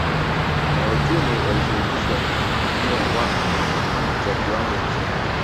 Wanauchumi walishurutishwa kutumia wakfu za kiwango cha chini